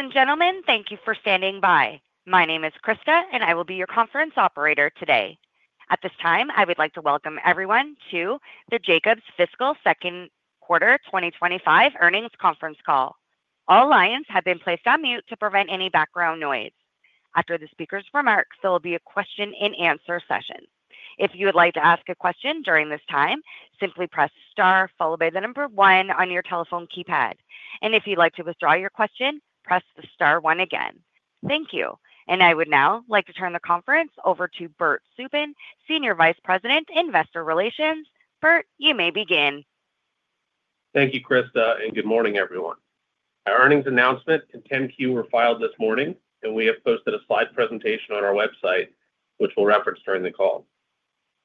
Ladies and gentlemen, thank you for standing by. My name is Krista, and I will be your conference operator today. At this time, I would like to welcome everyone to the Jacobs Fiscal Second Quarter 2025 Earnings Conference Call. All lines have been placed on mute to prevent any background noise. After the speaker's remarks, there will be a question-and-answer session. If you would like to ask a question during this time, simply press star followed by the number one on your telephone keypad. If you'd like to withdraw your question, press the star one again. Thank you. I would now like to turn the conference over to Bert Subin, Senior Vice President, Investor Relations. Bert, you may begin. Thank you, Krista, and good morning, everyone. Our earnings announcement and 10Q were filed this morning, and we have posted a slide presentation on our website, which we'll reference during the call.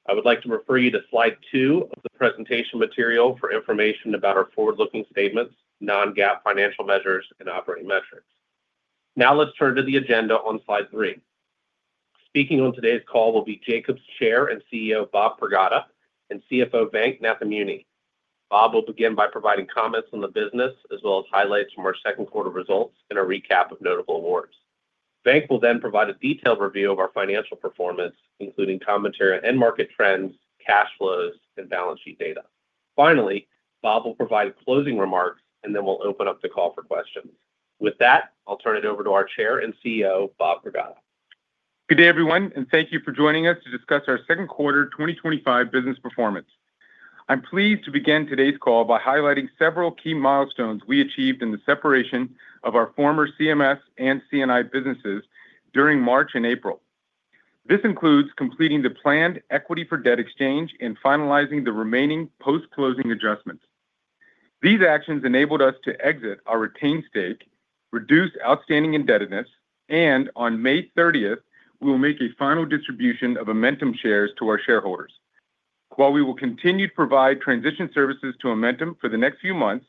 I would like to refer you to slide two of the presentation material for information about our forward-looking statements, non-GAAP financial measures, and operating metrics. Now let's turn to the agenda on slide three. Speaking on today's call will be Jacobs Chair and CEO Bob Pragada and CFO Venk Nathamuni. Bob will begin by providing comments on the business as well as highlights from our second quarter results and a recap of notable awards. Venkat will then provide a detailed review of our financial performance, including commentary on end market trends, cash flows, and balance sheet data. Finally, Bob will provide closing remarks, and then we'll open up the call for questions. With that, I'll turn it over to our Chair and CEO, Bob Pragada. Good day, everyone, and thank you for joining us to discuss our second quarter 2025 business performance. I'm pleased to begin today's call by highlighting several key milestones we achieved in the separation of our former CMS and CNI businesses during March and April. This includes completing the planned equity for debt exchange and finalizing the remaining post-closing adjustments. These actions enabled us to exit our retained stake, reduce outstanding indebtedness, and on May 30th, we will make a final distribution of Amentum shares to our shareholders. While we will continue to provide transition services to Amentum for the next few months,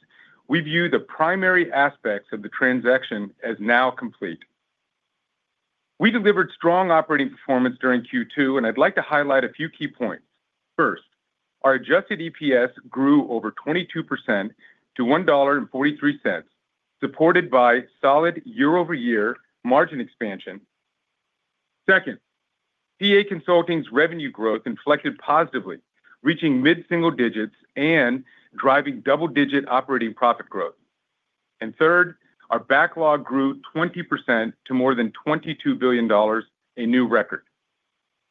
we view the primary aspects of the transaction as now complete. We delivered strong operating performance during Q2, and I'd like to highlight a few key points. First, our adjusted EPS grew over 22% to $1.43, supported by solid year-over-year margin expansion. Second, PA Consulting's revenue growth inflected positively, reaching mid-single digits and driving double-digit operating profit growth. Third, our backlog grew 20% to more than $22 billion, a new record.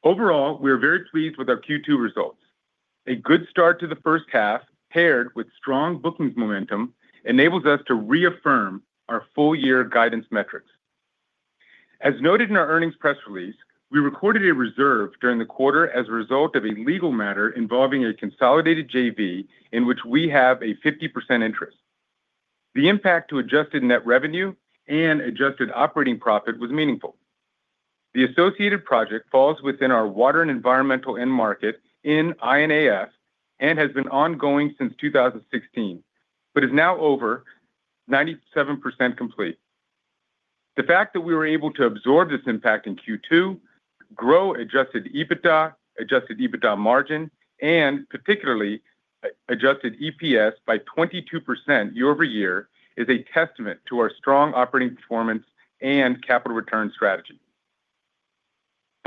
Overall, we are very pleased with our Q2 results. A good start to the first half, paired with strong bookings momentum, enables us to reaffirm our full-year guidance metrics. As noted in our earnings press release, we recorded a reserve during the quarter as a result of a legal matter involving a consolidated JV in which we have a 50% interest. The impact to adjusted net revenue and adjusted operating profit was meaningful. The associated project falls within our water and environmental end market in INAF and has been ongoing since 2016, but is now over 97% complete. The fact that we were able to absorb this impact in Q2, grow adjusted EBITDA, adjusted EBITDA margin, and particularly adjusted EPS by 22% year-over-year is a testament to our strong operating performance and capital return strategy.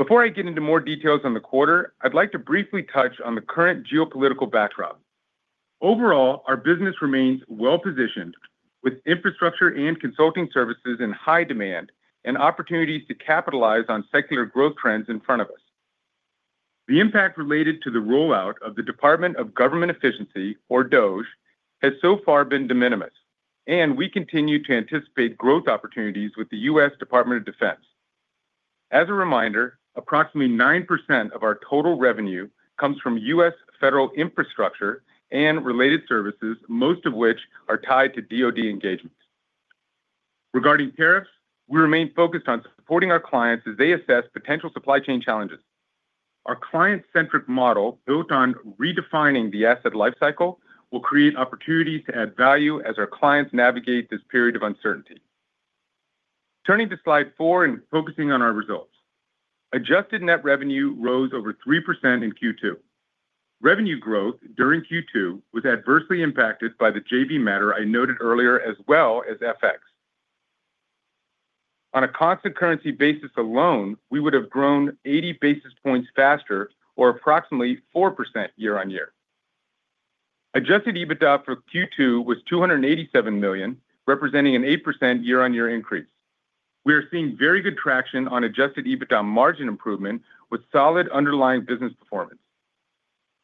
Before I get into more details on the quarter, I'd like to briefly touch on the current geopolitical backdrop. Overall, our business remains well-positioned with infrastructure and consulting services in high demand and opportunities to capitalize on secular growth trends in front of us. The impact related to the rollout of the Department of Government Efficiency, or DOGE, has so far been de minimis, and we continue to anticipate growth opportunities with the U.S. Department of Defense. As a reminder, approximately 9% of our total revenue comes from U.S. federal infrastructure and related services, most of which are tied to DOD engagements. Regarding tariffs, we remain focused on supporting our clients as they assess potential supply chain challenges. Our client-centric model, built on redefining the asset lifecycle, will create opportunities to add value as our clients navigate this period of uncertainty. Turning to slide four and focusing on our results, adjusted net revenue rose over 3% in Q2. Revenue growth during Q2 was adversely impacted by the JV matter I noted earlier, as well as FX. On a constant currency basis alone, we would have grown 80 basis points faster or approximately 4% year-on-year. Adjusted EBITDA for Q2 was $287 million, representing an 8% year-on-year increase. We are seeing very good traction on adjusted EBITDA margin improvement with solid underlying business performance.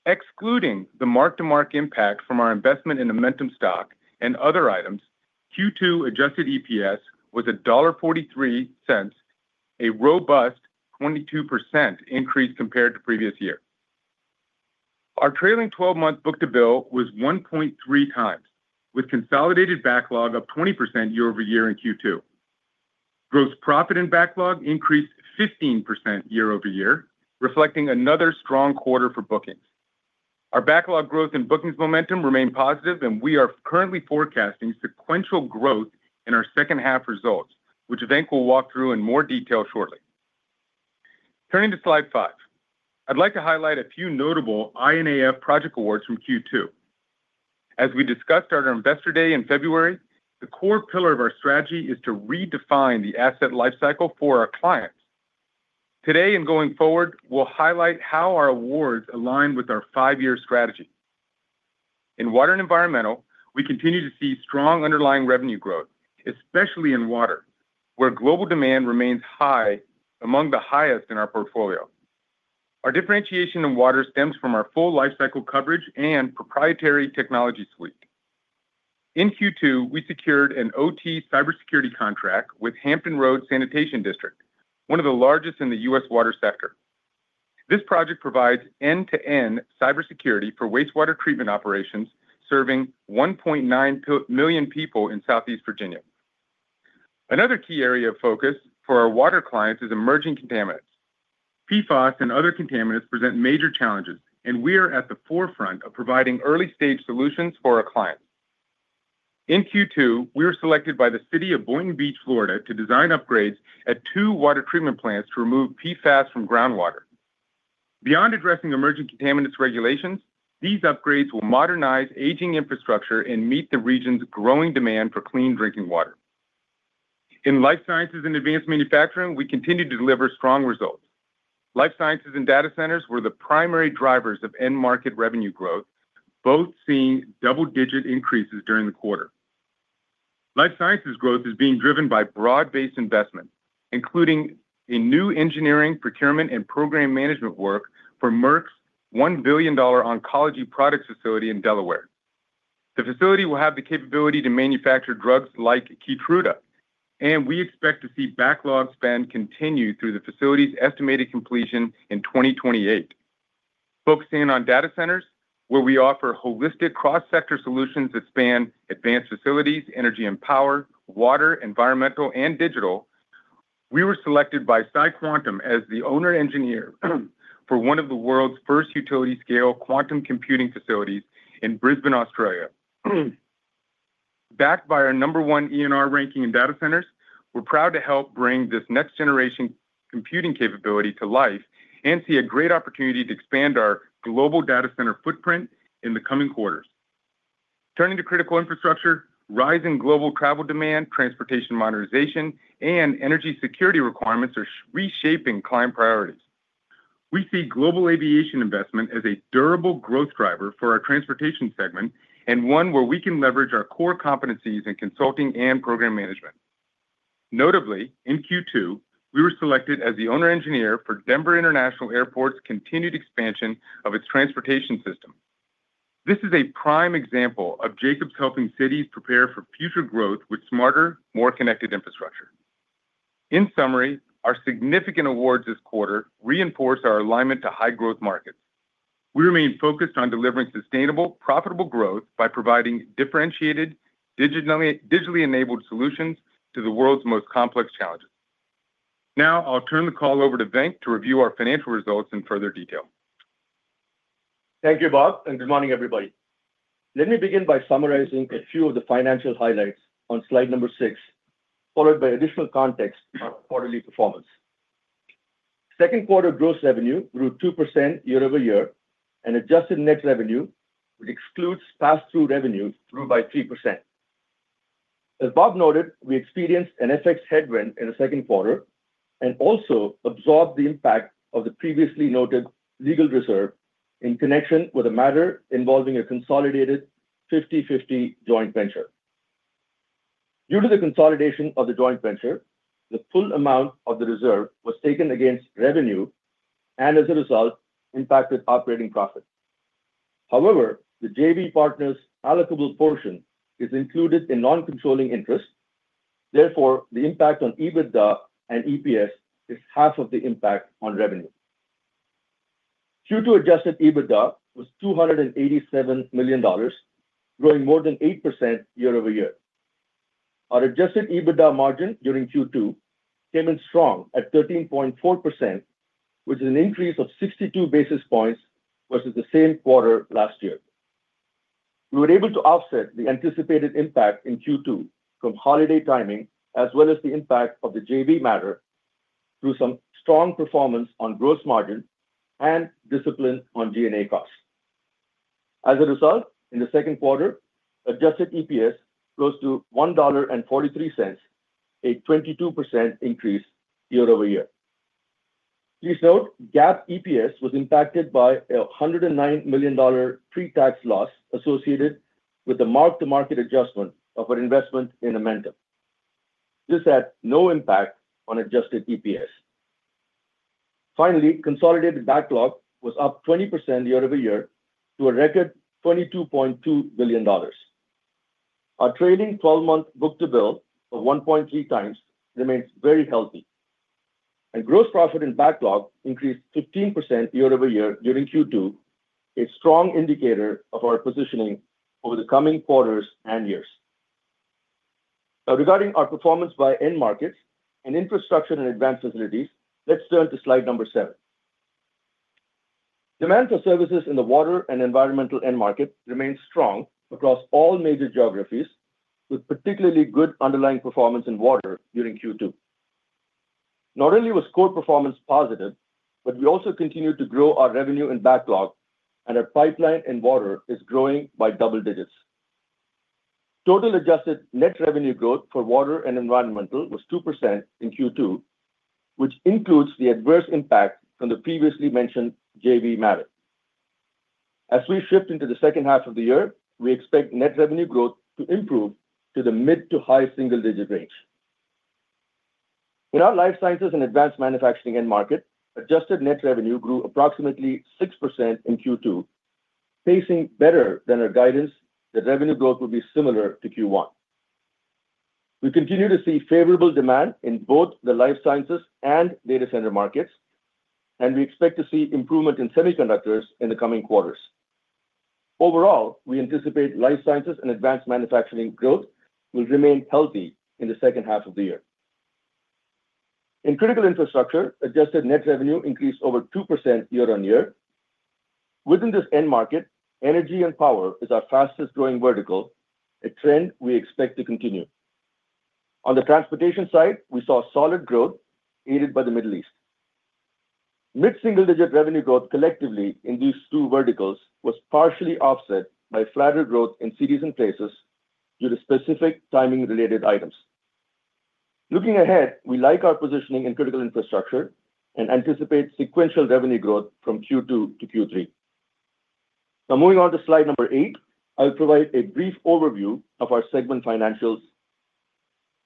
Excluding the mark-to-market impact from our investment in Amentum stock and other items, Q2 adjusted EPS was $1.43, a robust 22% increase compared to previous year. Our trailing 12-month book-to-bill was 1.3 times, with consolidated backlog of 20% year-over-year in Q2. Gross profit and backlog increased 15% year-over-year, reflecting another strong quarter for bookings. Our backlog growth and bookings momentum remain positive, and we are currently forecasting sequential growth in our second-half results, which Bank will walk through in more detail shortly. Turning to slide five, I'd like to highlight a few notable INAF project awards from Q2. As we discussed at our Investor Day in February, the core pillar of our strategy is to redefine the asset lifecycle for our clients. Today and going forward, we'll highlight how our awards align with our five-year strategy. In water and environmental, we continue to see strong underlying revenue growth, especially in water, where global demand remains high, among the highest in our portfolio. Our differentiation in water stems from our full lifecycle coverage and proprietary technology suite. In Q2, we secured an OT cybersecurity contract with Hampton Roads Sanitation District, one of the largest in the U.S. water sector. This project provides end-to-end cybersecurity for wastewater treatment operations, serving 1.9 million people in Southeast Virginia. Another key area of focus for our water clients is emerging contaminants. PFAS and other contaminants present major challenges, and we are at the forefront of providing early-stage solutions for our clients. In Q2, we were selected by the City of Boynton Beach, Florida, to design upgrades at two water treatment plants to remove PFAS from groundwater. Beyond addressing emerging contaminants regulations, these upgrades will modernize aging infrastructure and meet the region's growing demand for clean drinking water. In life sciences and advanced manufacturing, we continue to deliver strong results. Life sciences and data centers were the primary drivers of end-market revenue growth, both seeing double-digit increases during the quarter. Life sciences growth is being driven by broad-based investment, including new engineering, procurement, and program management work for Merck's $1 billion oncology products facility in Delaware. The facility will have the capability to manufacture drugs like Keytruda, and we expect to see backlog spend continue through the facility's estimated completion in 2028. Focusing on data centers, where we offer holistic cross-sector solutions that span advanced facilities, energy and power, water, environmental, and digital, we were selected by PsiQuantum as the owner-engineer for one of the world's first utility-scale quantum computing facilities in Brisbane, Australia. Backed by our number one ENR ranking in data centers, we're proud to help bring this next-generation computing capability to life and see a great opportunity to expand our global data center footprint in the coming quarters. Turning to critical infrastructure, rising global travel demand, transportation modernization, and energy security requirements are reshaping client priorities. We see global aviation investment as a durable growth driver for our transportation segment and one where we can leverage our core competencies in consulting and program management. Notably, in Q2, we were selected as the owner-engineer for Denver International Airport's continued expansion of its transportation system. This is a prime example of Jacobs helping cities prepare for future growth with smarter, more connected infrastructure. In summary, our significant awards this quarter reinforce our alignment to high-growth markets. We remain focused on delivering sustainable, profitable growth by providing differentiated, digitally enabled solutions to the world's most complex challenges. Now I'll turn the call over to Venk to review our financial results in further detail. Thank you, Bob, and good morning, everybody. Let me begin by summarizing a few of the financial highlights on slide number six, followed by additional context on quarterly performance. Second quarter gross revenue grew 2% year-over-year, and adjusted net revenue excludes pass-through revenue grew by 3%. As Bob noted, we experienced an FX headwind in the second quarter and also absorbed the impact of the previously noted legal reserve in connection with a matter involving a consolidated 50/50 joint venture. Due to the consolidation of the joint venture, the full amount of the reserve was taken against revenue and, as a result, impacted operating profit. However, the JV partner's allocable portion is included in non-controlling interest. Therefore, the impact on EBITDA and EPS is half of the impact on revenue. Q2 adjusted EBITDA was $287 million, growing more than 8% year-over-year. Our adjusted EBITDA margin during Q2 came in strong at 13.4%, which is an increase of 62 basis points versus the same quarter last year. We were able to offset the anticipated impact in Q2 from holiday timing, as well as the impact of the JV matter through some strong performance on gross margin and discipline on G&A costs. As a result, in the second quarter, adjusted EPS rose to $1.43, a 22% increase year-over-year. Please note, GAAP EPS was impacted by a $109 million pre-tax loss associated with the mark-to-market adjustment of our investment in Amentum. This had no impact on adjusted EPS. Finally, consolidated backlog was up 20% year-over-year to a record $22.2 billion. Our trailing 12-month book-to-bill of 1.3 times remains very healthy. Gross profit and backlog increased 15% year-over-year during Q2, a strong indicator of our positioning over the coming quarters and years. Regarding our performance by end markets and infrastructure and advanced facilities, let's turn to slide number seven. Demand for services in the water and environmental end market remains strong across all major geographies, with particularly good underlying performance in water during Q2. Not only was core performance positive, but we also continued to grow our revenue and backlog, and our pipeline in water is growing by double digits. Total adjusted net revenue growth for water and environmental was 2% in Q2, which includes the adverse impact from the previously mentioned JV matter. As we shift into the second half of the year, we expect net revenue growth to improve to the mid to high single-digit range. In our life sciences and advanced manufacturing end market, adjusted net revenue grew approximately 6% in Q2, pacing better than our guidance that revenue growth would be similar to Q1. We continue to see favorable demand in both the life sciences and data center markets, and we expect to see improvement in semiconductors in the coming quarters. Overall, we anticipate life sciences and advanced manufacturing growth will remain healthy in the second half of the year. In critical infrastructure, adjusted net revenue increased over 2% year-on-year. Within this end market, energy and power is our fastest-growing vertical, a trend we expect to continue. On the transportation side, we saw solid growth aided by the Middle East. Mid-single-digit revenue growth collectively in these two verticals was partially offset by flatter growth in cities & places due to specific timing-related items. Looking ahead, we like our positioning in critical infrastructure and anticipate sequential revenue growth from Q2 to Q3. Now, moving on to slide number eight, I'll provide a brief overview of our segment financials.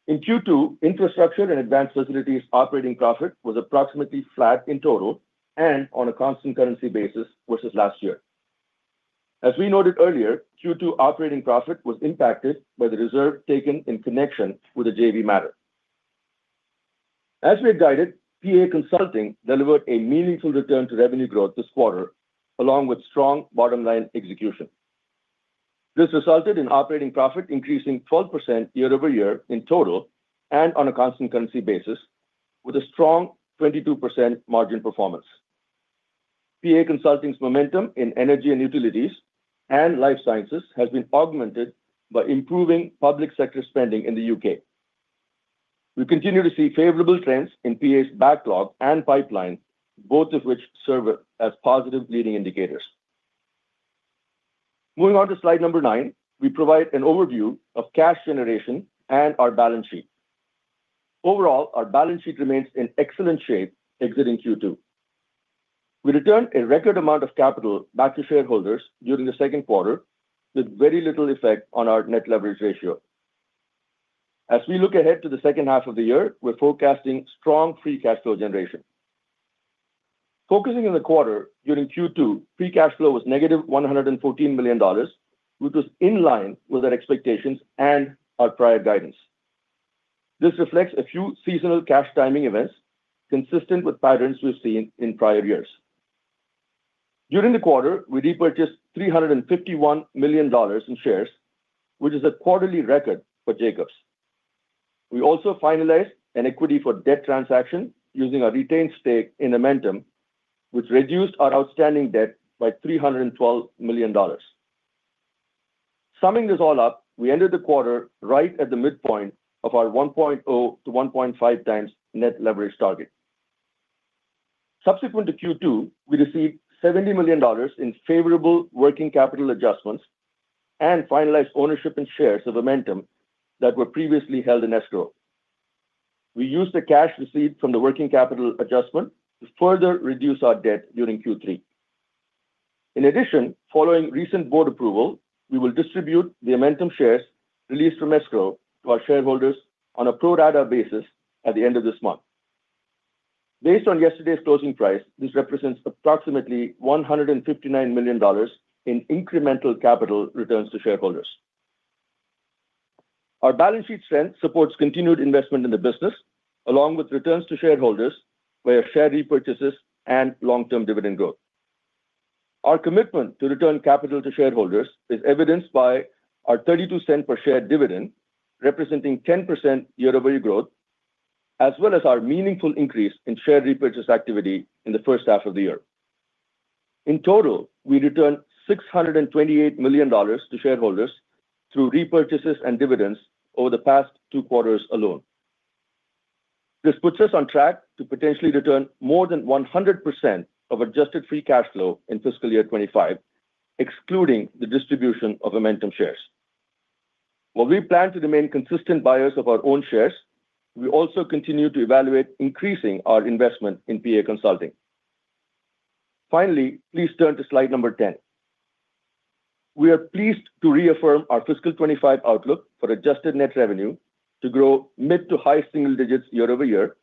In Q2, infrastructure and advanced facilities operating profit was approximately flat in total and on a constant currency basis versus last year. As we noted earlier, Q2 operating profit was impacted by the reserve taken in connection with the JV matter. As we are guided, PA Consulting delivered a meaningful return to revenue growth this quarter, along with strong bottom-line execution. This resulted in operating profit increasing 12% year-over-year in total and on a constant currency basis, with a strong 22% margin performance. PA Consulting's momentum in energy and utilities and life sciences has been augmented by improving public sector spending in the U.K. We continue to see favorable trends in PA's backlog and pipeline, both of which serve as positive leading indicators. Moving on to slide number nine, we provide an overview of cash generation and our balance sheet. Overall, our balance sheet remains in excellent shape exiting Q2. We returned a record amount of capital back to shareholders during the second quarter, with very little effect on our net leverage ratio. As we look ahead to the second half of the year, we're forecasting strong free cash flow generation. Focusing in the quarter, during Q2, free cash flow was -$114 million, which was in line with our expectations and our prior guidance. This reflects a few seasonal cash timing events consistent with patterns we've seen in prior years. During the quarter, we repurchased $351 million in shares, which is a quarterly record for Jacobs. We also finalized an equity for debt transaction using our retained stake in Amentum, which reduced our outstanding debt by $312 million. Summing this all up, we ended the quarter right at the midpoint of our 1.0-1.5 times net leverage target. Subsequent to Q2, we received $70 million in favorable working capital adjustments and finalized ownership in shares of Amentum that were previously held in escrow. We used the cash received from the working capital adjustment to further reduce our debt during Q3. In addition, following recent board approval, we will distribute the Amentum shares released from escrow to our shareholders on a pro rata basis at the end of this month. Based on yesterday's closing price, this represents approximately $159 million in incremental capital returns to shareholders. Our balance sheet strength supports continued investment in the business, along with returns to shareholders via share repurchases and long-term dividend growth. Our commitment to return capital to shareholders is evidenced by our $0.32 per share dividend, representing 10% year-over-year growth, as well as our meaningful increase in share repurchase activity in the first half of the year. In total, we returned $628 million to shareholders through repurchases and dividends over the past two quarters alone. This puts us on track to potentially return more than 100% of adjusted free cash flow in fiscal year 2025, excluding the distribution of Amentum shares. While we plan to remain consistent buyers of our own shares, we also continue to evaluate increasing our investment in PA Consulting. Finally, please turn to slide number 10. We are pleased to reaffirm our fiscal 2025 outlook for adjusted net revenue to grow mid to high single digits year-over-year,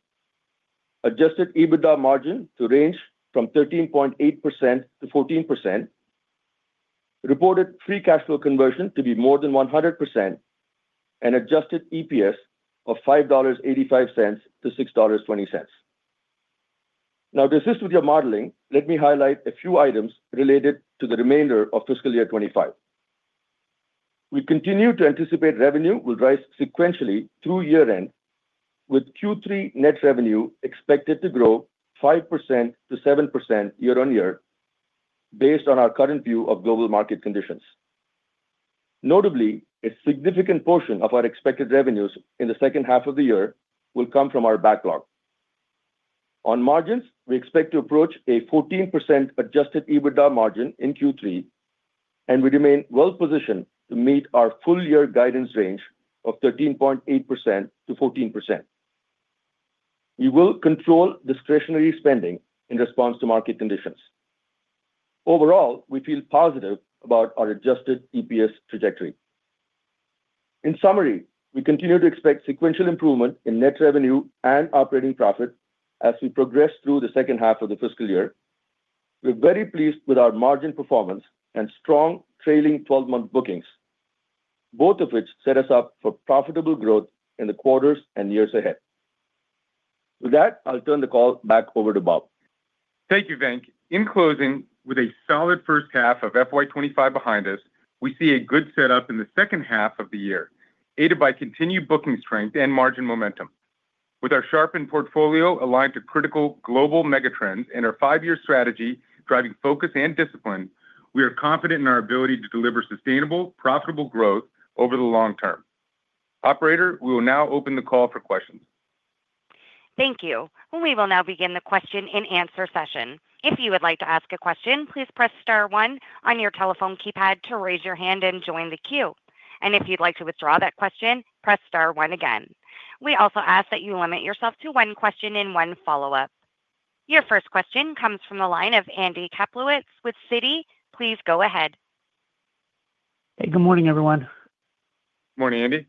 adjusted EBITDA margin to range from 13.8% to 14%, reported free cash flow conversion to be more than 100%, and adjusted EPS of $5.85-$6.20. Now, to assist with your modeling, let me highlight a few items related to the remainder of fiscal year 2025. We continue to anticipate revenue will rise sequentially through year-end, with Q3 net revenue expected to grow 5% to 7% year-on-year based on our current view of global market conditions. Notably, a significant portion of our expected revenues in the second half of the year will come from our backlog. On margins, we expect to approach a 14% adjusted EBITDA margin in Q3, and we remain well-positioned to meet our full-year guidance range of 13.8%-14%. We will control discretionary spending in response to market conditions. Overall, we feel positive about our adjusted EPS trajectory. In summary, we continue to expect sequential improvement in net revenue and operating profit as we progress through the second half of the fiscal year. We're very pleased with our margin performance and strong trailing 12-month bookings, both of which set us up for profitable growth in the quarters and years ahead. With that, I'll turn the call back over to Bob. Thank you, Venk. In closing, with a solid first half of FY 2025 behind us, we see a good setup in the second half of the year, aided by continued booking strength and margin momentum. With our sharpened portfolio aligned to critical global megatrends and our five-year strategy driving focus and discipline, we are confident in our ability to deliver sustainable, profitable growth over the long term. Operator, we will now open the call for questions. Thank you. We will now begin the question-and-answer session. If you would like to ask a question, please press star one on your telephone keypad to raise your hand and join the queue. If you'd like to withdraw that question, press star one again. We also ask that you limit yourself to one question and one follow-up. Your first question comes from the line of Andy Kaplowitz with Citi. Please go ahead. Hey, good morning, everyone. Good morning, Andy.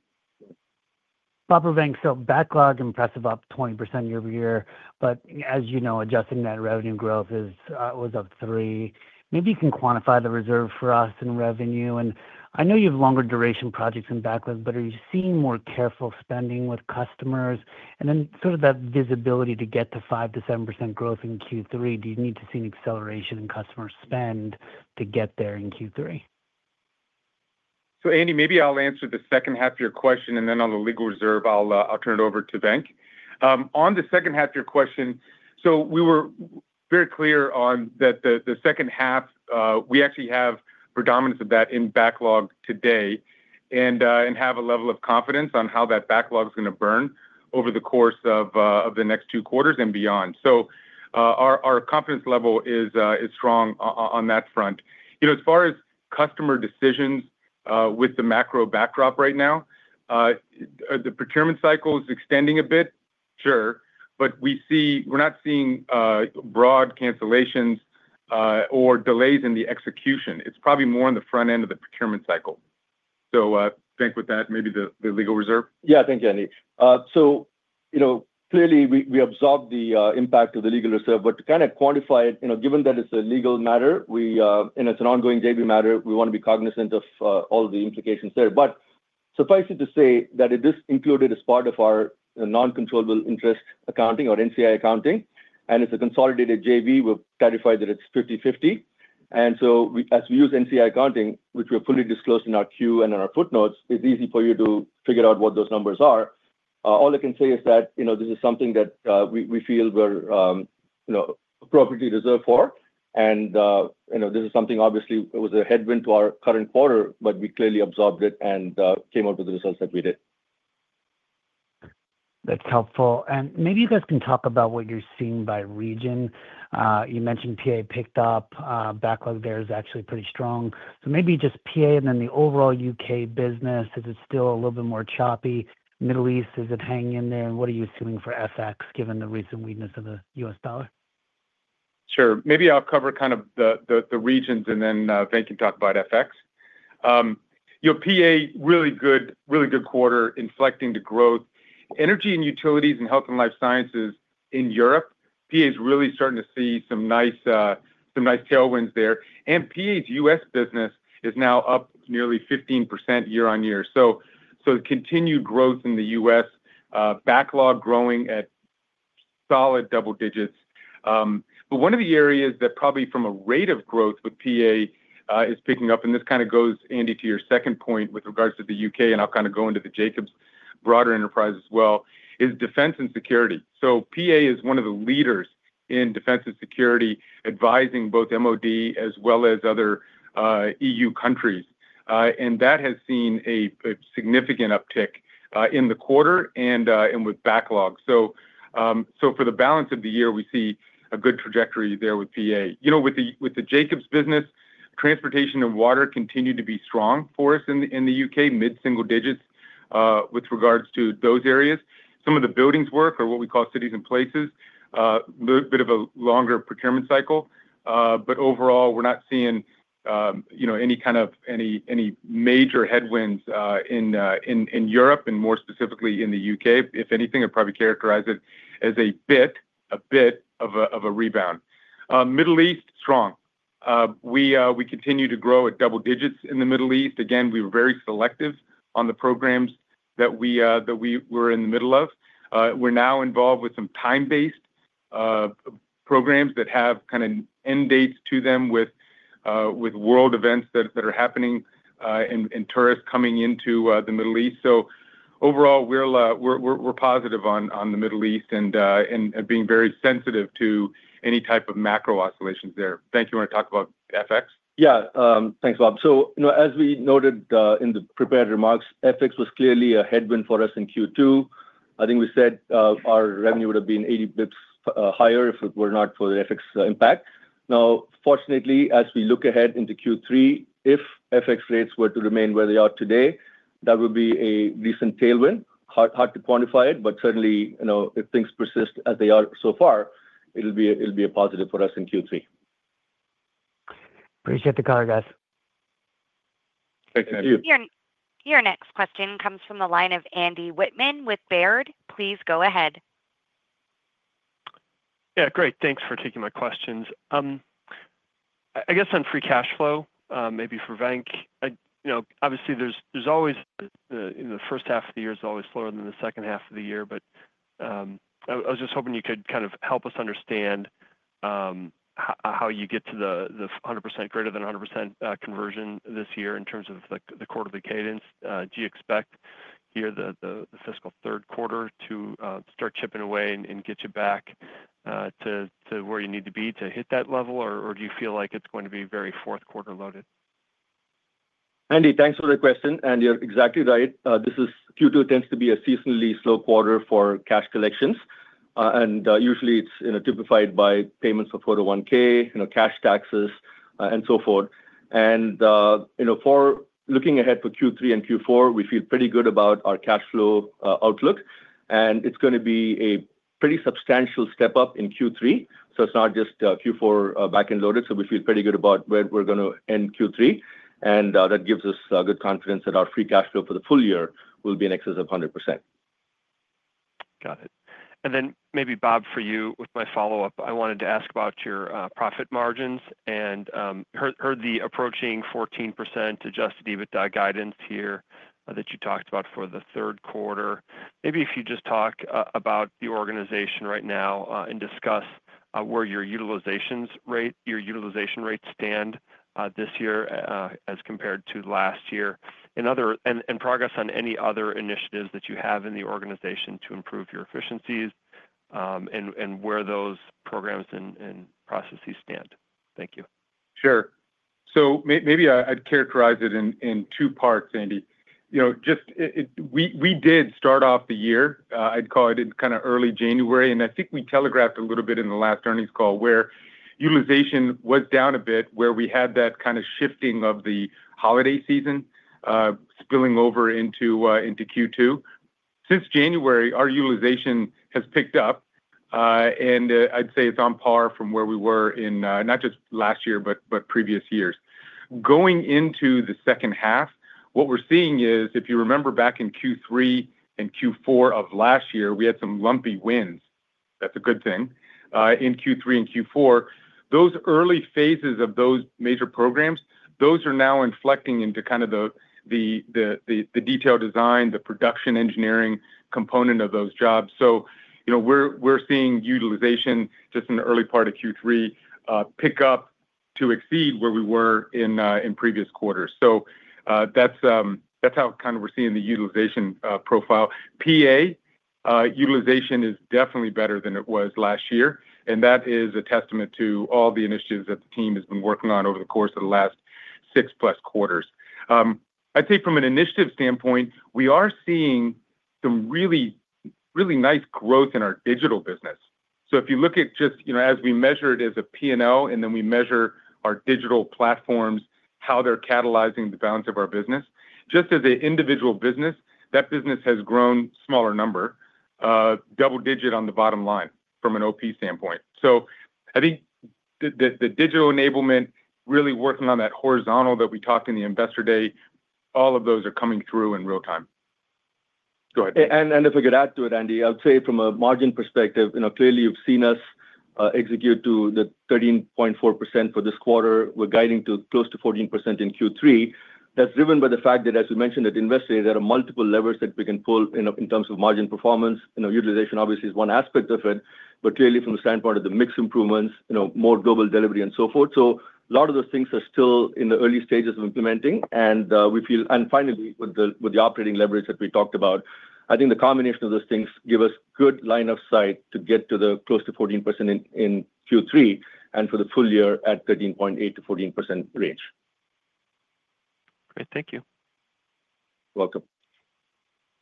Bob or Venk, so backlog, impressive up 20% year-over-year, but as you know, adjusting net revenue growth was up three. Maybe you can quantify the reserve for us in revenue. And I know you have longer-duration projects in backlog, but are you seeing more careful spending with customers? And then sort of that visibility to get to 5%-7% growth in Q3, do you need to see an acceleration in customer spend to get there in Q3? Andy, maybe I'll answer the second half of your question, and then on the legal reserve, I'll turn it over to Venk. On the second half of your question, we were very clear that the second half, we actually have predominance of that in backlog today and have a level of confidence on how that backlog is going to burn over the course of the next two quarters and beyond. Our confidence level is strong on that front. As far as customer decisions with the macro backdrop right now, the procurement cycle is extending a bit, sure, but we're not seeing broad cancellations or delays in the execution. It's probably more on the front end of the procurement cycle. Venk, with that, maybe the legal reserve. Yeah, thank you, Andy. Clearly, we absorbed the impact of the legal reserve, but to kind of quantify it, given that it's a legal matter and it's an ongoing JV matter, we want to be cognizant of all the implications there. Suffice it to say that it is included as part of our non-controllable interest accounting or NCI accounting, and it's a consolidated JV. We've clarified that it's 50/50. As we use NCI accounting, which we have fully disclosed in our queue and in our footnotes, it's easy for you to figure out what those numbers are. All I can say is that this is something that we feel we're appropriately reserved for. This is something, obviously, it was a headwind to our current quarter, but we clearly absorbed it and came up with the results that we did. That's helpful. Maybe you guys can talk about what you're seeing by region. You mentioned PA picked up. Backlog there is actually pretty strong. Maybe just PA and then the overall U.K. business, is it still a little bit more choppy? Middle East, is it hanging in there? What are you assuming for FX given the recent weakness of the U.S. dollar? Sure. Maybe I'll cover kind of the regions and then Venk can talk about FX. PA, really good quarter, inflecting to growth. Energy and utilities and health and life sciences in Europe, PA is really starting to see some nice tailwinds there. PA's U.S. business is now up nearly 15% year-on-year. Continued growth in the U.S., backlog growing at solid double digits. One of the areas that probably from a rate of growth with PA is picking up, and this kind of goes, Andy, to your second point with regards to the U.K., and I'll kind of go into the Jacobs broader enterprise as well, is defense and security. PA is one of the leaders in defense and security, advising both MoD as well as other EU countries. That has seen a significant uptick in the quarter and with backlog. For the balance of the year, we see a good trajectory there with PA. With the Jacobs business, transportation and water continue to be strong for us in the U.K., mid-single digits with regards to those areas. Some of the buildings work or what we call cities and places, a little bit of a longer procurement cycle. Overall, we're not seeing any kind of any major headwinds in Europe, and more specifically in the U.K. If anything, I'd probably characterize it as a bit of a rebound. Middle East, strong. We continue to grow at double digits in the Middle East. Again, we were very selective on the programs that we were in the middle of. We're now involved with some time-based programs that have kind of end dates to them with world events that are happening and tourists coming into the Middle East. Overall, we're positive on the Middle East and being very sensitive to any type of macro oscillations there. Venk, you want to talk about FX? Yeah, thanks, Bob. As we noted in the prepared remarks, FX was clearly a headwind for us in Q2. I think we said our revenue would have been 80 basis points higher if it were not for the FX impact. Now, fortunately, as we look ahead into Q3, if FX rates were to remain where they are today, that would be a decent tailwind. Hard to quantify it, but certainly, if things persist as they are so far, it'll be a positive for us in Q3. Appreciate the call, guys. Thanks, Andy. Your next question comes from the line of Andy Wittmann with Baird. Please go ahead. Yeah, great. Thanks for taking my questions. I guess on free cash flow, maybe for Venk, obviously, the first half of the year is always slower than the second half of the year, but I was just hoping you could kind of help us understand how you get to the 100% greater than 100% conversion this year in terms of the quarterly cadence. Do you expect here the fiscal third quarter to start chipping away and get you back to where you need to be to hit that level, or do you feel like it's going to be very fourth quarter loaded? Andy, thanks for the question. You're exactly right. This is Q2, which tends to be a seasonally slow quarter for cash collections. Usually, it's typified by payments of 401(k), cash taxes, and so forth. For looking ahead for Q3 and Q4, we feel pretty good about our cash flow outlook. It's going to be a pretty substantial step up in Q3. It's not just Q4 back and loaded. We feel pretty good about where we're going to end Q3. That gives us good confidence that our free cash flow for the full year will be in excess of 100%. Got it. Maybe, Bob, for you with my follow-up, I wanted to ask about your profit margins and heard the approaching 14% adjusted EBITDA guidance here that you talked about for the third quarter. Maybe if you just talk about the organization right now and discuss where your utilization rates stand this year as compared to last year and progress on any other initiatives that you have in the organization to improve your efficiencies and where those programs and processes stand. Thank you. Sure. Maybe I'd characterize it in two parts, Andy. We did start off the year, I'd call it in kind of early January, and I think we telegraphed a little bit in the last earnings call where utilization was down a bit where we had that kind of shifting of the holiday season spilling over into Q2. Since January, our utilization has picked up, and I'd say it's on par from where we were in not just last year, but previous years. Going into the second half, what we're seeing is, if you remember back in Q3 and Q4 of last year, we had some lumpy wins. That's a good thing. In Q3 and Q4, those early phases of those major programs, those are now inflecting into kind of the detailed design, the production engineering component of those jobs. We're seeing utilization just in the early part of Q3 pick up to exceed where we were in previous quarters. That's how kind of we're seeing the utilization profile. PA utilization is definitely better than it was last year, and that is a testament to all the initiatives that the team has been working on over the course of the last six-plus quarters. I'd say from an initiative standpoint, we are seeing some really nice growth in our digital business. If you look at just as we measure it as a P&L, and then we measure our digital platforms, how they're catalyzing the balance of our business, just as an individual business, that business has grown smaller number, double digit on the bottom line from an OP standpoint. I think the digital enablement, really working on that horizontal that we talked in the investor day, all of those are coming through in real time. Go ahead. If I could add to it, Andy, I'd say from a margin perspective, clearly you've seen us execute to the 13.4% for this quarter. We're guiding to close to 14% in Q3. That's driven by the fact that, as we mentioned at investor day, there are multiple levers that we can pull in terms of margin performance. Utilization, obviously, is one aspect of it, but clearly from the standpoint of the mix improvements, more global delivery, and so forth. A lot of those things are still in the early stages of implementing. We feel, and finally, with the operating leverage that we talked about, I think the combination of those things gives us good line of sight to get to close to 14% in Q3 and for the full year at 13.8%-14% range. Great. Thank you. You're welcome.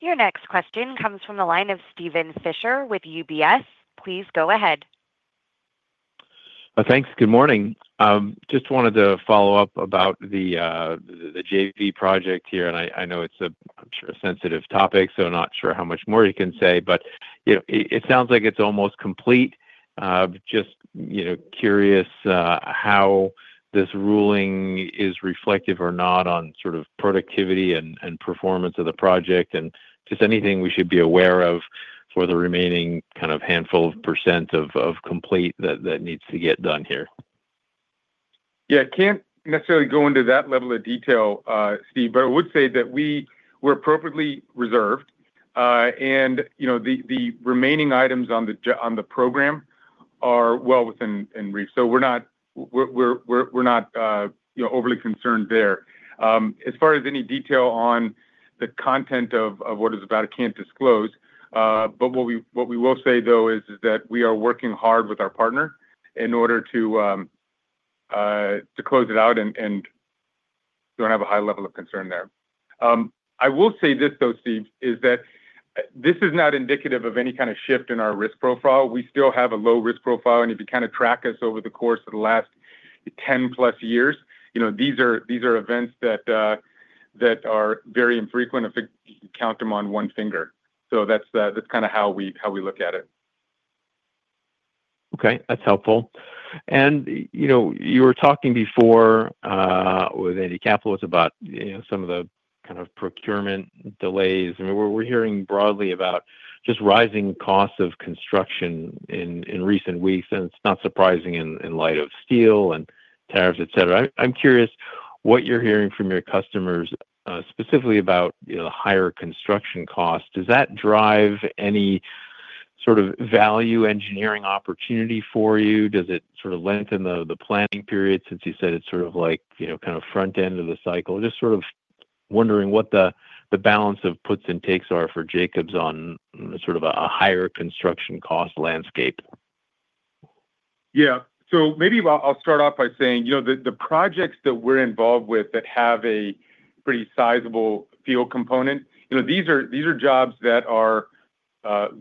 Your next question comes from the line of Steven Fisher with UBS. Please go ahead. Thanks. Good morning. Just wanted to follow up about the JV project here. I know it's a sensitive topic, so not sure how much more you can say, but it sounds like it's almost complete. Just curious how this ruling is reflective or not on sort of productivity and performance of the project and just anything we should be aware of for the remaining kind of handful of % of complete that needs to get done here. Yeah. Can't necessarily go into that level of detail, Steve, but I would say that we're appropriately reserved. The remaining items on the program are well within reach. We're not overly concerned there. As far as any detail on the content of what it's about, I can't disclose. What we will say, though, is that we are working hard with our partner in order to close it out and don't have a high level of concern there. I will say this, though, Steve, this is not indicative of any kind of shift in our risk profile. We still have a low risk profile. If you kind of track us over the course of the last 10-plus years, these are events that are very infrequent if you count them on one finger. That's kind of how we look at it. Okay. That's helpful. You were talking before with Andy Kaplowitz about some of the kind of procurement delays. I mean, we're hearing broadly about just rising costs of construction in recent weeks. It's not surprising in light of steel and tariffs, etc. I'm curious what you're hearing from your customers specifically about the higher construction costs. Does that drive any sort of value engineering opportunity for you? Does it sort of lengthen the planning period since you said it's sort of like kind of front end of the cycle? Just sort of wondering what the balance of puts and takes are for Jacobs on sort of a higher construction cost landscape. Yeah. Maybe I'll start off by saying the projects that we're involved with that have a pretty sizable field component, these are jobs that are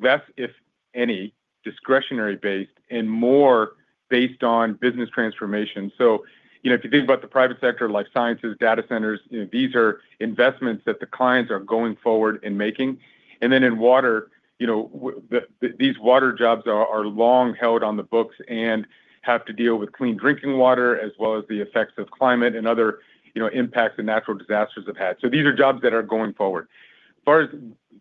less, if any, discretionary-based and more based on business transformation. If you think about the private sector, life sciences, data centers, these are investments that the clients are going forward in making. In water, these water jobs are long held on the books and have to deal with clean drinking water as well as the effects of climate and other impacts and natural disasters have had. These are jobs that are going forward. As far as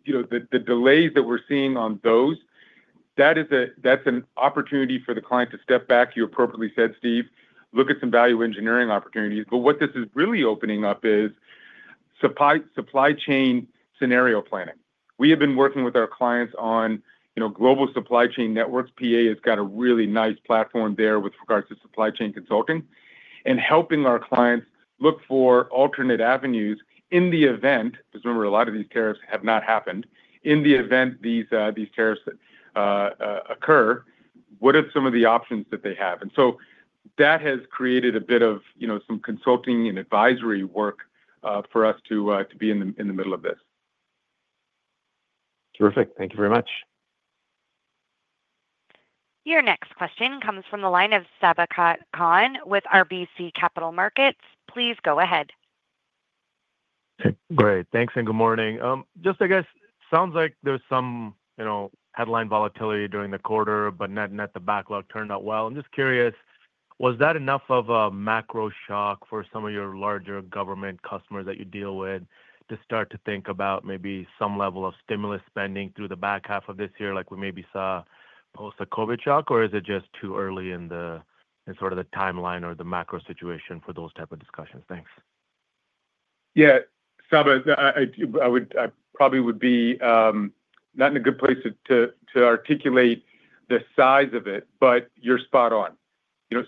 the delays that we're seeing on those, that's an opportunity for the client to step back, you appropriately said, Steve, look at some value engineering opportunities. What this is really opening up is supply chain scenario planning. We have been working with our clients on global supply chain networks. PA has got a really nice platform there with regards to supply chain consulting and helping our clients look for alternate avenues in the event, because remember, a lot of these tariffs have not happened, in the event these tariffs occur, what are some of the options that they have? That has created a bit of some consulting and advisory work for us to be in the middle of this. Terrific. Thank you very much. Your next question comes from the line of Sabahat Khan with RBC Capital Markets. Please go ahead. Great. Thanks and good morning. Just, I guess, sounds like there's some headline volatility during the quarter, but net the backlog turned out well. I'm just curious, was that enough of a macro shock for some of your larger government customers that you deal with to start to think about maybe some level of stimulus spending through the back half of this year like we maybe saw post the COVID shock, or is it just too early in sort of the timeline or the macro situation for those type of discussions? Thanks. Yeah. Sabah, I probably would be not in a good place to articulate the size of it, but you're spot on.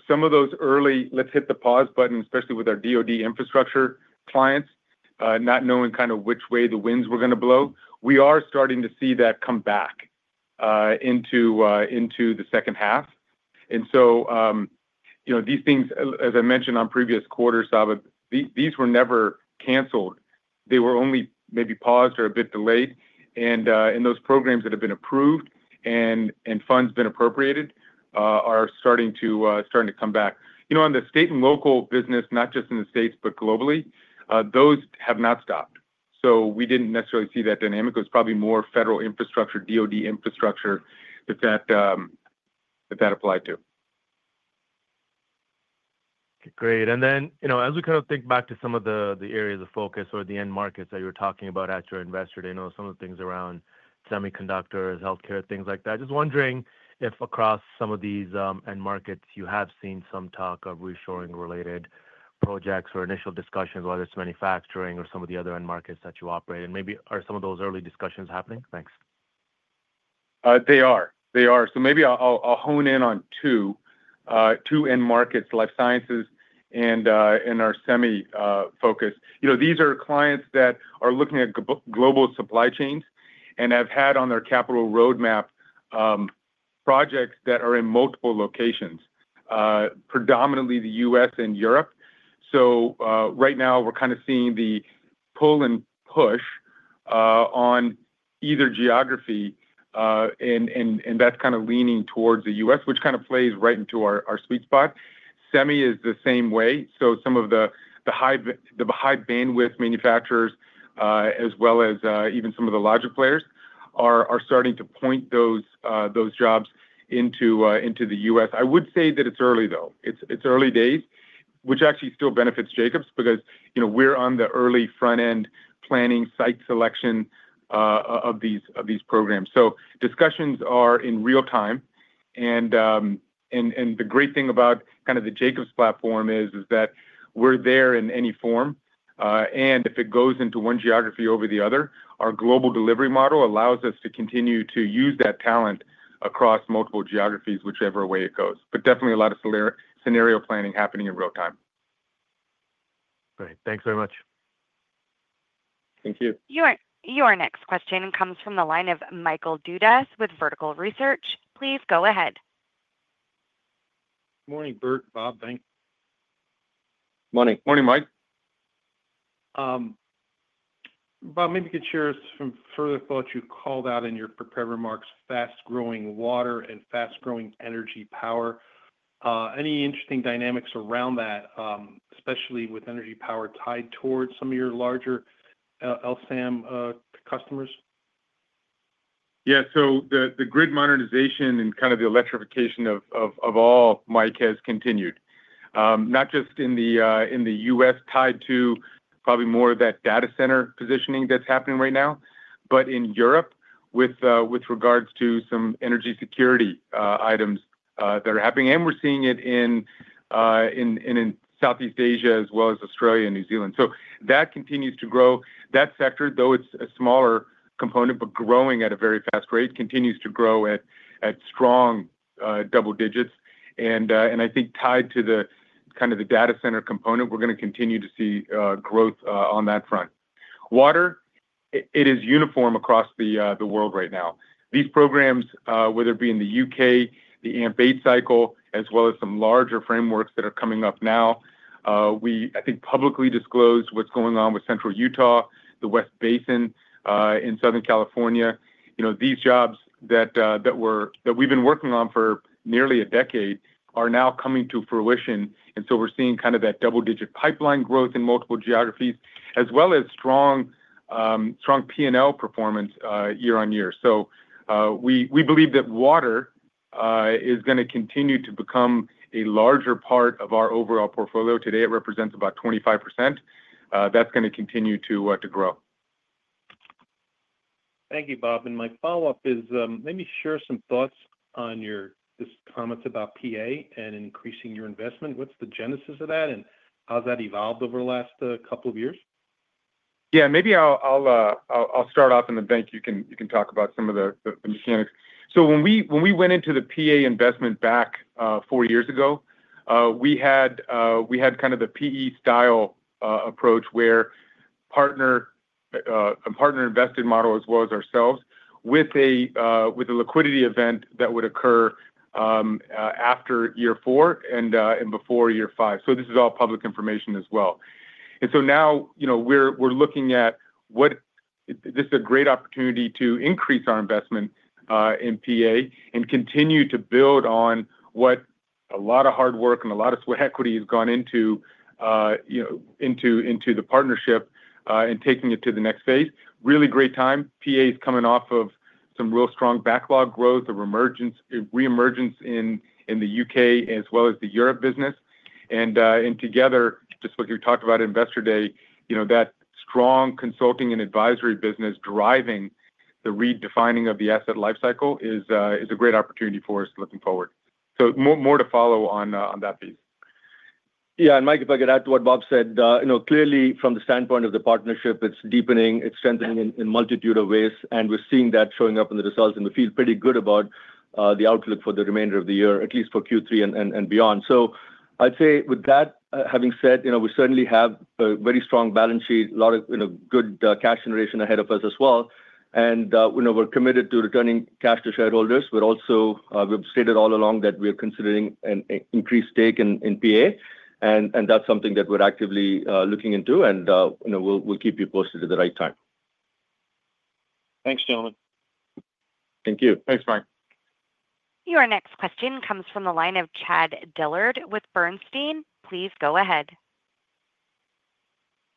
Some of those early, let's hit the pause button, especially with our DOD infrastructure clients, not knowing kind of which way the winds were going to blow, we are starting to see that come back into the second half. These things, as I mentioned on previous quarters, Sabah, these were never canceled. They were only maybe paused or a bit delayed. Those programs that have been approved and funds been appropriated are starting to come back. On the state and local business, not just in the states, but globally, those have not stopped. We didn't necessarily see that dynamic. It was probably more federal infrastructure, DOD infrastructure, that that applied to. Great. As we kind of think back to some of the areas of focus or the end markets that you were talking about at your investor day, some of the things around semiconductors, healthcare, things like that, just wondering if across some of these end markets, you have seen some talk of reshoring-related projects or initial discussions, whether it's manufacturing or some of the other end markets that you operate in. Maybe are some of those early discussions happening? Thanks. They are. They are. Maybe I'll hone in on two end markets, life sciences and our semi-focus. These are clients that are looking at global supply chains and have had on their capital roadmap projects that are in multiple locations, predominantly the U.S. and Europe. Right now, we're kind of seeing the pull and push on either geography, and that's kind of leaning towards the U.S., which kind of plays right into our sweet spot. Semi is the same way. Some of the high-bandwidth manufacturers, as well as even some of the logic players, are starting to point those jobs into the U.S. I would say that it's early, though. It's early days, which actually still benefits Jacobs because we're on the early front-end planning site selection of these programs. Discussions are in real time. The great thing about kind of the Jacobs platform is that we're there in any form. If it goes into one geography over the other, our global delivery model allows us to continue to use that talent across multiple geographies, whichever way it goes. Definitely a lot of scenario planning happening in real time. Great. Thanks very much. Thank you. Your next question comes from the line of Michael Dudas with Vertical Research. Please go ahead. Morning, Venk, Bob, thanks. Morning. Morning, Mike. Bob, maybe you could share some further thoughts. You called out in your prepared remarks fast-growing water and fast-growing energy power. Any interesting dynamics around that, especially with energy power tied towards some of your larger LSAM customers? Yeah. The grid modernization and kind of the electrification of all, Mike, has continued, not just in the U.S. tied to probably more of that data center positioning that's happening right now, but in Europe with regards to some energy security items that are happening. We're seeing it in Southeast Asia as well as Australia and New Zealand. That continues to grow. That sector, though it's a smaller component, but growing at a very fast rate, continues to grow at strong double digits. I think tied to kind of the data center component, we're going to continue to see growth on that front. Water, it is uniform across the world right now. These programs, whether it be in the U.K., the AMP-8 cycle, as well as some larger frameworks that are coming up now, we, I think, publicly disclose what's going on with Central Utah, the West Basin in Southern California. These jobs that we've been working on for nearly a decade are now coming to fruition. We are seeing kind of that double-digit pipeline growth in multiple geographies, as well as strong P&L performance year on year. We believe that water is going to continue to become a larger part of our overall portfolio. Today, it represents about 25%. That's going to continue to grow. Thank you, Bob. My follow-up is, maybe share some thoughts on your comments about PA and increasing your investment. What's the genesis of that, and how's that evolved over the last couple of years? Yeah. Maybe I'll start off, and then thank you. You can talk about some of the mechanics. When we went into the PA investment back four years ago, we had kind of the PE-style approach where partner invested model as well as ourselves with a liquidity event that would occur after year four and before year five. This is all public information as well. Now we're looking at this as a great opportunity to increase our investment in PA and continue to build on what a lot of hard work and a lot of sweat equity has gone into the partnership and taking it to the next phase. Really great time. PA is coming off of some real strong backlog growth of reemergence in the U.K. as well as the Europe business. Together, just what you talked about at investor day, that strong consulting and advisory business driving the redefining of the asset life cycle is a great opportunity for us looking forward. More to follow on that piece. Yeah. Mike, if I could add to what Bob said, clearly from the standpoint of the partnership, it's deepening, it's strengthening in a multitude of ways. We're seeing that showing up in the results. We feel pretty good about the outlook for the remainder of the year, at least for Q3 and beyond. I'd say with that having said, we certainly have a very strong balance sheet, a lot of good cash generation ahead of us as well. We're committed to returning cash to shareholders. We've stated all along that we're considering an increased stake in PA. That's something that we're actively looking into. We will keep you posted at the right time. Thanks, gentlemen. Thank you. Thanks, Mike. Your next question comes from the line of Chad Dillard with Bernstein. Please go ahead.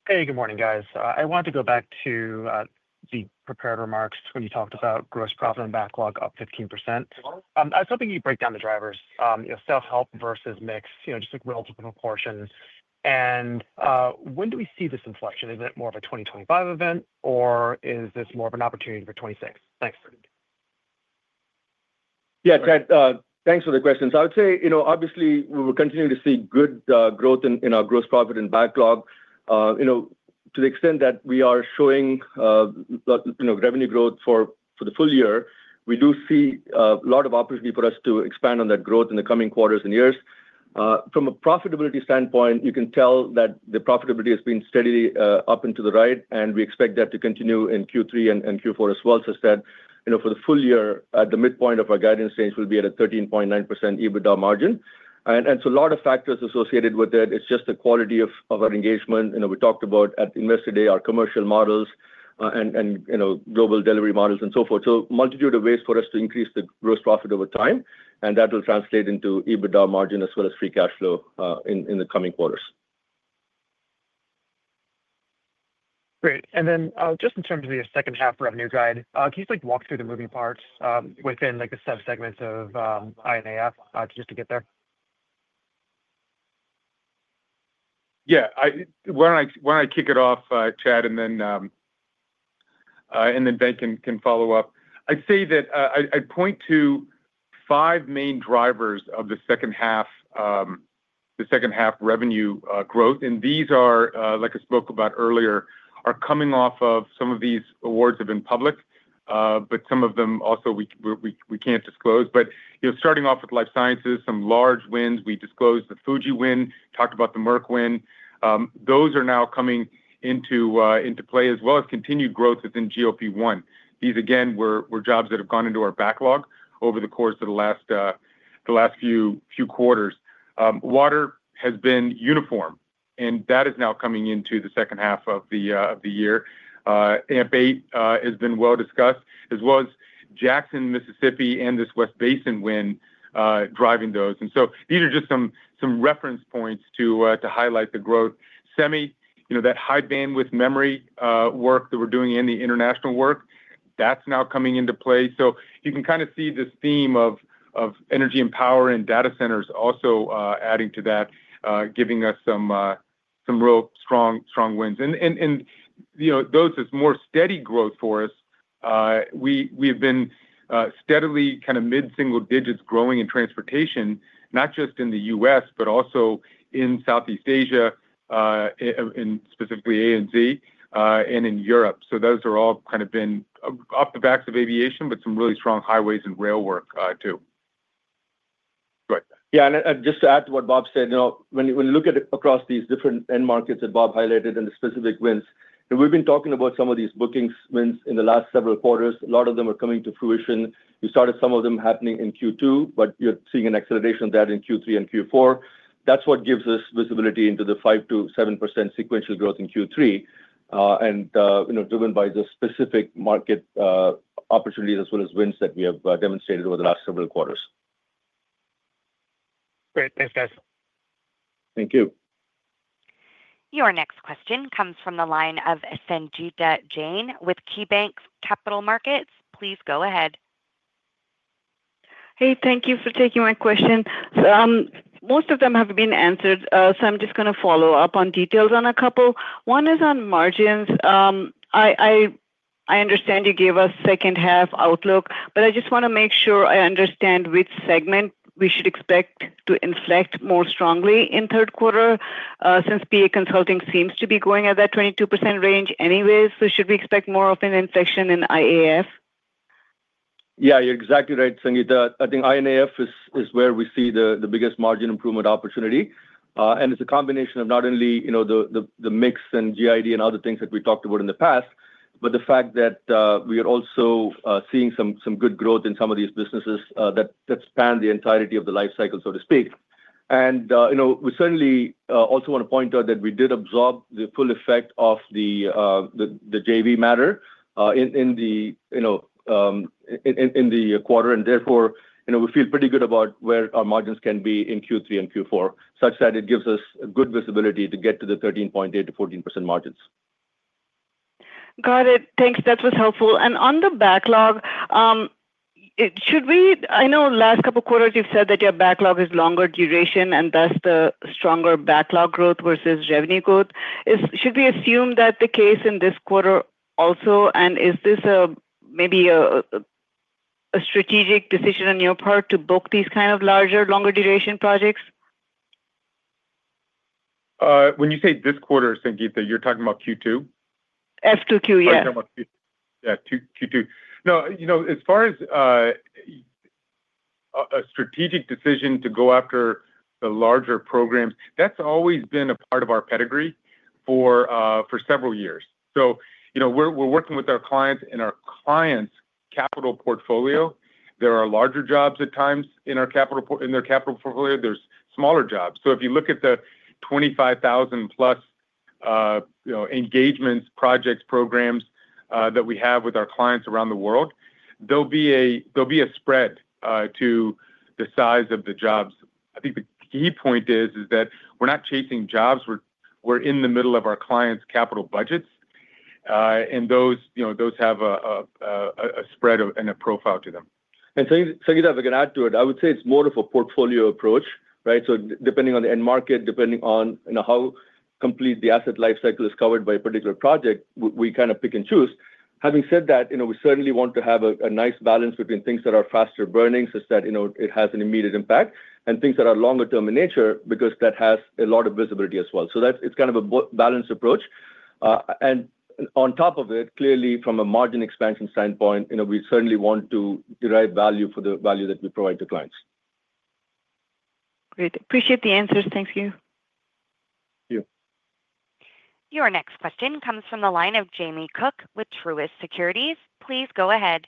Hey, good morning, guys. I wanted to go back to the prepared remarks when you talked about gross profit and backlog up 15%. I was hoping you'd break down the drivers, self-help versus mix, just like relative proportion. And when do we see this inflection? Is it more of a 2025 event, or is this more of an opportunity for '26? Thanks. Yeah, Chad, thanks for the questions. I would say, obviously, we're continuing to see good growth in our gross profit and backlog. To the extent that we are showing revenue growth for the full year, we do see a lot of opportunity for us to expand on that growth in the coming quarters and years. From a profitability standpoint, you can tell that the profitability has been steadily up and to the right. We expect that to continue in Q3 and Q4 as well. As I said, for the full year, at the midpoint of our guidance range, we'll be at a 13.9% EBITDA margin. It's a lot of factors associated with it. It's just the quality of our engagement. We talked about at investor day our commercial models and global delivery models and so forth. A multitude of ways for us to increase the gross profit over time. That will translate into EBITDA margin as well as free cash flow in the coming quarters. Great. Just in terms of your second half revenue guide, can you walk through the moving parts within the subsegments of INAF just to get there? Yeah. Why don't I kick it off, Chad, and then Ben can follow up. I'd say that I'd point to five main drivers of the second half revenue growth. These are, like I spoke about earlier, coming off of some of these awards have been public, but some of them also we can't disclose. Starting off with life sciences, some large wins, we disclosed the Fuji win, talked about the Merck win. Those are now coming into play as well as continued growth within GOP1. These, again, were jobs that have gone into our backlog over the course of the last few quarters. Water has been uniform, and that is now coming into the second half of the year. AMP-8 has been well discussed, as well as Jackson, Mississippi, and this West Basin win driving those. These are just some reference points to highlight the growth. Semi, that high-bandwidth memory work that we're doing in the international work, that's now coming into play. You can kind of see this theme of energy and power and data centers also adding to that, giving us some real strong winds. Those are more steady growth for us. We have been steadily kind of mid-single digits growing in transportation, not just in the U.S., but also in Southeast Asia, specifically ANZ, and in Europe. Those have all kind of been off the backs of aviation, but some really strong highways and railwork too. Right. Yeah. Just to add to what Bob said, when you look at across these different end markets that Bob highlighted and the specific wins, we've been talking about some of these bookings wins in the last several quarters. A lot of them are coming to fruition. You started some of them happening in Q2, but you're seeing an acceleration of that in Q3 and Q4. That's what gives us visibility into the 5%-7% sequential growth in Q3, and driven by the specific market opportunities as well as wins that we have demonstrated over the last several quarters. Great. Thanks, guys. Thank you. Your next question comes from the line of Sangita Jane with KeyBanc Capital Markets. Please go ahead. Hey, thank you for taking my question. Most of them have been answered. I am just going to follow up on details on a couple. One is on margins. I understand you gave us second half outlook, but I just want to make sure I understand which segment we should expect to inflect more strongly in third quarter since PA Consulting seems to be going at that 22% range anyway. Should we expect more of an inflection in IAF? Yeah, you're exactly right, Sangita. I think INAF is where we see the biggest margin improvement opportunity. It's a combination of not only the mix and GID and other things that we talked about in the past, but the fact that we are also seeing some good growth in some of these businesses that span the entirety of the life cycle, so to speak. We certainly also want to point out that we did absorb the full effect of the JV matter in the quarter. Therefore, we feel pretty good about where our margins can be in Q3 and Q4, such that it gives us good visibility to get to the 13.8-14% margins. Got it. Thanks. That was helpful. On the backlog, should we—I know last couple of quarters you've said that your backlog is longer duration and thus the stronger backlog growth versus revenue growth. Should we assume that the case in this quarter also? Is this maybe a strategic decision on your part to book these kind of larger, longer duration projects? When you say this quarter, Sangita, you're talking about Q2? F2Q, yes. Yeah, Q2. No, as far as a strategic decision to go after the larger programs, that's always been a part of our pedigree for several years. We're working with our clients in our clients' capital portfolio. There are larger jobs at times in their capital portfolio. There are smaller jobs. If you look at the 25,000-plus engagements, projects, programs that we have with our clients around the world, there will be a spread to the size of the jobs. I think the key point is that we're not chasing jobs. We're in the middle of our clients' capital budgets. Those have a spread and a profile to them. Sangita, if I can add to it, I would say it's more of a portfolio approach, right? Depending on the end market, depending on how complete the asset life cycle is covered by a particular project, we kind of pick and choose. Having said that, we certainly want to have a nice balance between things that are faster burning, such that it has an immediate impact, and things that are longer-term in nature because that has a lot of visibility as well. It is kind of a balanced approach. On top of it, clearly, from a margin expansion standpoint, we certainly want to derive value for the value that we provide to clients. Great. Appreciate the answers. Thank you. Thank you. Your next question comes from the line of Jamie Cook with Truist Securities. Please go ahead.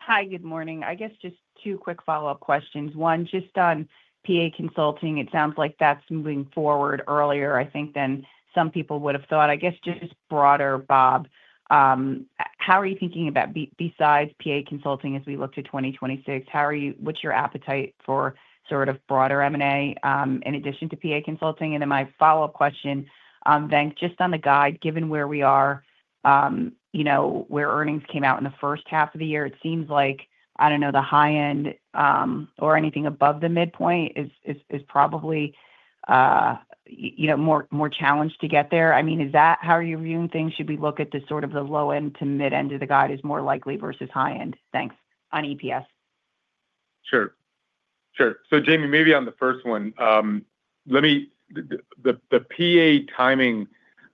Hi, good morning. I guess just two quick follow-up questions. One, just on PA Consulting, it sounds like that's moving forward earlier, I think, than some people would have thought. I guess just broader, Bob, how are you thinking about besides PA Consulting as we look to 2026? What's your appetite for sort of broader M&A in addition to PA Consulting? My follow-up question, Ben, just on the guide, given where we are, where earnings came out in the first half of the year, it seems like, I don't know, the high end or anything above the midpoint is probably more challenged to get there. I mean, is that how you're viewing things? Should we look at the sort of the low end to mid end of the guide as more likely versus high end? Thanks. On EPS. Sure. Sure. Jamie, maybe on the first one, the PA timing,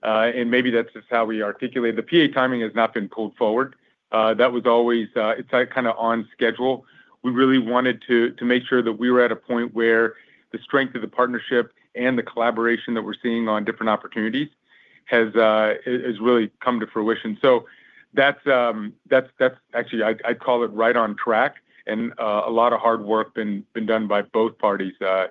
and maybe that's just how we articulate it, the PA timing has not been pulled forward. That was always—it's kind of on schedule. We really wanted to make sure that we were at a point where the strength of the partnership and the collaboration that we're seeing on different opportunities has really come to fruition. That's actually, I'd call it right on track. A lot of hard work has been done by both parties to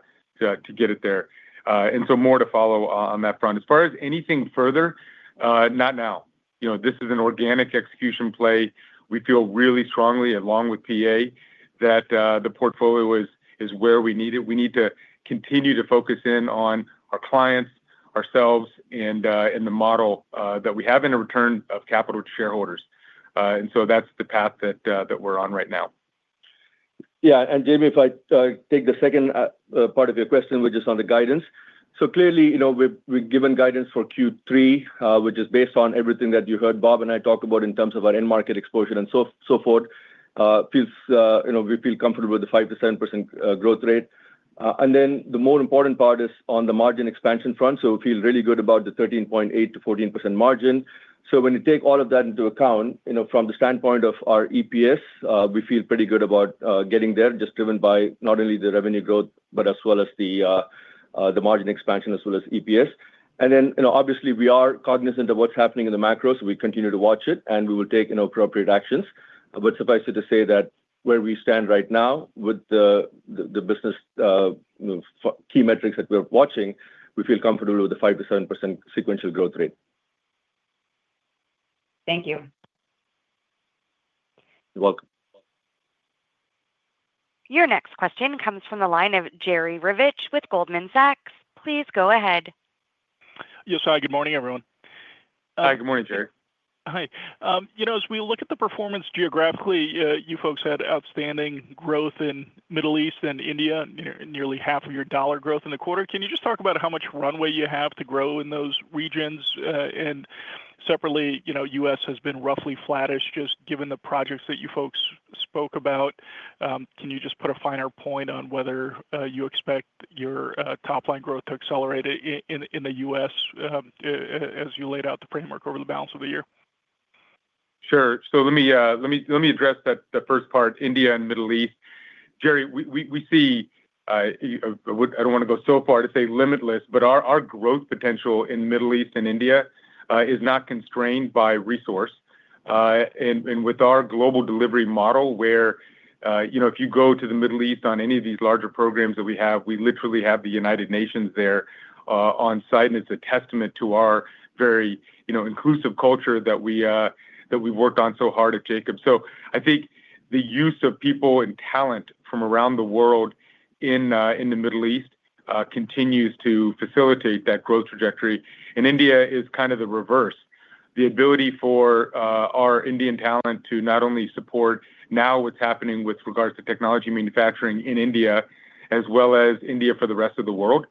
get it there. More to follow on that front. As far as anything further, not now. This is an organic execution play. We feel really strongly, along with PA, that the portfolio is where we need it. We need to continue to focus in on our clients, ourselves, and the model that we have in a return of capital to shareholders. That is the path that we're on right now. Yeah. Jamie, if I take the second part of your question, which is on the guidance. Clearly, we've given guidance for Q3, which is based on everything that you heard Bob and I talk about in terms of our end market exposure and so forth. We feel comfortable with the 5-7% growth rate. The more important part is on the margin expansion front. We feel really good about the 13.8-14% margin. When you take all of that into account, from the standpoint of our EPS, we feel pretty good about getting there, just driven by not only the revenue growth, but as well as the margin expansion as well as EPS. Obviously, we are cognizant of what's happening in the macro. We continue to watch it, and we will take appropriate actions. Suffice it to say that where we stand right now with the business key metrics that we're watching, we feel comfortable with the 5-7% sequential growth rate. Thank you. You're welcome. Your next question comes from the line of Jerry Rivich with Goldman Sachs. Please go ahead. Yes, hi. Good morning, everyone. Hi. Good morning, Jerry. Hi. As we look at the performance geographically, you folks had outstanding growth in the Middle East and India, nearly half of your dollar growth in the quarter. Can you just talk about how much runway you have to grow in those regions? Separately, the U.S. has been roughly flattish, just given the projects that you folks spoke about. Can you just put a finer point on whether you expect your top-line growth to accelerate in the U.S. as you laid out the framework over the balance of the year? Sure. Let me address the first part, India and the Middle East. Jerry, we see—I do not want to go so far to say limitless—but our growth potential in the Middle East and India is not constrained by resource. With our global delivery model, where if you go to the Middle East on any of these larger programs that we have, we literally have the United Nations there on site. It is a testament to our very inclusive culture that we have worked on so hard at Jacobs. I think the use of people and talent from around the world in the Middle East continues to facilitate that growth trajectory. India is kind of the reverse. The ability for our Indian talent to not only support now what's happening with regards to technology manufacturing in India, as well as India for the rest of the world,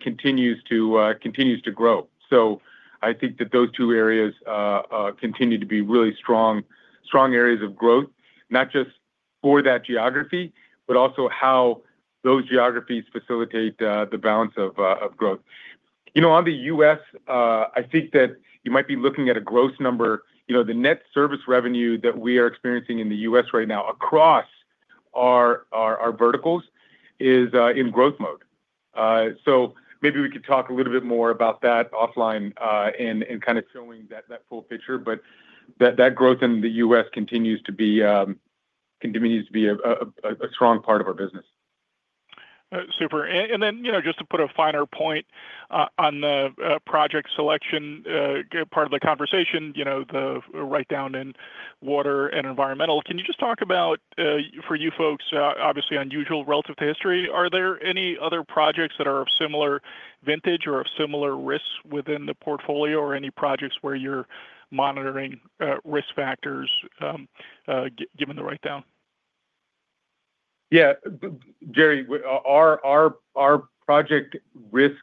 continues to grow. I think that those two areas continue to be really strong areas of growth, not just for that geography, but also how those geographies facilitate the balance of growth. On the U.S., I think that you might be looking at a gross number. The net service revenue that we are experiencing in the U.S. right now across our verticals is in growth mode. Maybe we could talk a little bit more about that offline and kind of showing that full picture. That growth in the U.S. continues to be a strong part of our business. Super. Just to put a finer point on the project selection part of the conversation, the write down in water and environmental, can you just talk about, for you folks, obviously unusual relative to history, are there any other projects that are of similar vintage or of similar risks within the portfolio or any projects where you're monitoring risk factors given the write down? Yeah. Jerry, our project risk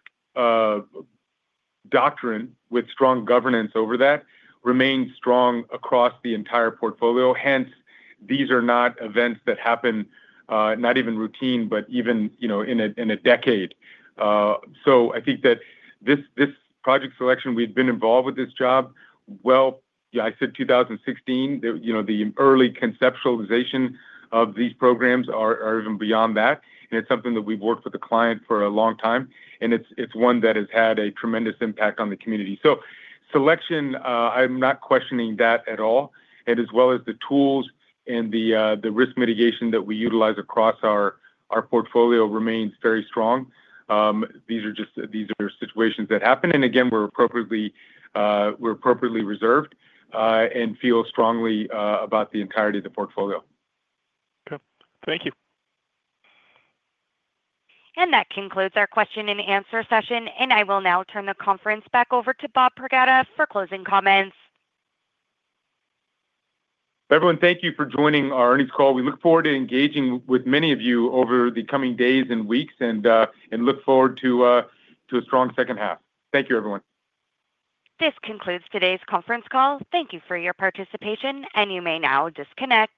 doctrine with strong governance over that remains strong across the entire portfolio. These are not events that happen not even routine, but even in a decade. I think that this project selection, we've been involved with this job, I said 2016, the early conceptualization of these programs or even beyond that. It's something that we've worked with the client for a long time. It's one that has had a tremendous impact on the community. Selection, I'm not questioning that at all. As well as the tools and the risk mitigation that we utilize across our portfolio remains very strong. These are situations that happen. Again, we're appropriately reserved and feel strongly about the entirety of the portfolio. Okay. Thank you. That concludes our question and answer session. I will now turn the conference back over to Bob Pragada for closing comments. Everyone, thank you for joining our earnings call. We look forward to engaging with many of you over the coming days and weeks and look forward to a strong second half. Thank you, everyone. This concludes today's conference call. Thank you for your participation. You may now disconnect.